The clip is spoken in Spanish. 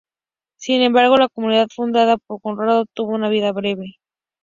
Sin embargo, la comunidad fundada por Conrado tuvo una vida breve.